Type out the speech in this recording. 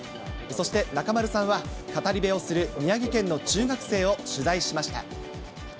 そして中丸さんは、語り部をする宮城県の中学生を取材しました。